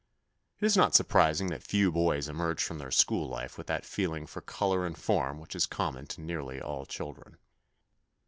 It is not surprising that few boys emerge from their school life with that feeling for colour and form which is common to nearly all children.